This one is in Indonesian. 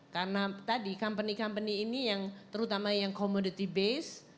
karena tadi company company ini yang terutama yang commodity base